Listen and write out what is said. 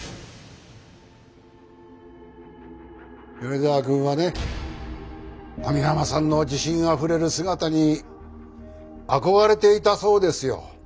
米沢くんはね網浜さんの自信あふれる姿に憧れていたそうですよ。